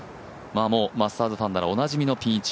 マスターズファンならおなじみのピン位置